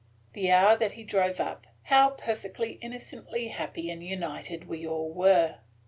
The hour that he drove up, how perfectly innocently happy and united we all were!